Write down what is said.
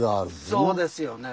そうですよね。